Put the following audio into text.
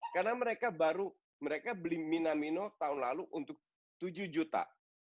karena mereka baru mereka beli minamino tahun lalu untuk tujuh juta